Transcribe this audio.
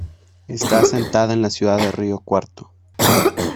Está asentada en la ciudad de Río Cuarto.